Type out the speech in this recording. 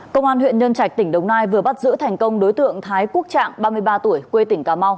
công an huyện nhân trạch tỉnh đồng nai vừa bắt giữ thành công đối tượng thái quốc trạng ba mươi ba tuổi quê tỉnh cà mau